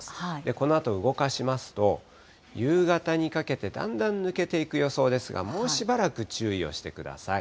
このあと動かしますと、夕方にかけてだんだん抜けていく予想ですが、もうしばらく注意をしてください。